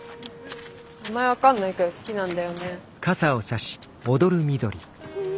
名前分かんないけど好きなんだよね。